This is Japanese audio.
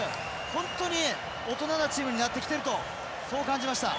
本当に大人なチームになってきているとそう感じました。